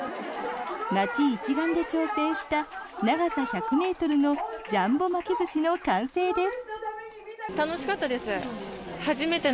街一丸で挑戦した長さ１００ｍのジャンボ巻き寿司の完成です。